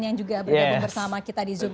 yang juga bergabung bersama kita di zoom